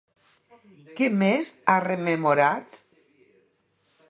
Què més ha rememorat?